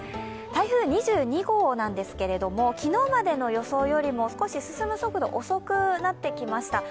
台風２２号なんですけれども昨日の予想より少し進む速度遅くなってきました。